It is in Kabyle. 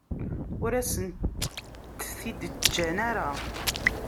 Ur asent-t-id-ǧǧan ara.